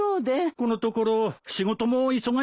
このところ仕事も忙しそうですね。